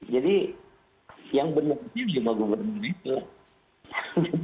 jadi yang benar benar cuma gubernurnya itu